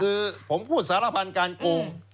คือผมพูดสารพันธ์การโกง